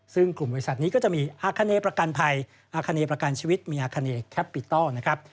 ซึ่งกลุ่มบริษัทนี้ก็จะมีอาคาเนประกันภัยอาคเนประกันชีวิตมีอาคาเนแคปปิตัลนะครับ